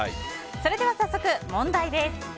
それでは、問題です。